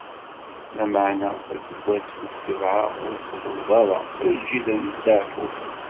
Lameɛna aseggas wis sebɛa, ur ttxeddmeḍ ara, eǧǧ-it ad isteɛfu.